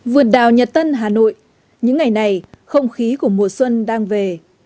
vườn đào nhật tân hà nội những ngày này không khí của mùa xuân đang về